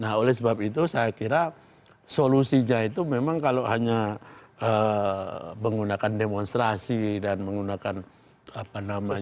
nah oleh sebab itu saya kira solusinya itu memang kalau hanya menggunakan demonstrasi dan menggunakan apa namanya